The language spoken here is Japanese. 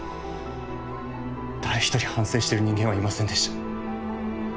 誰一人反省してる人間はいませんでした。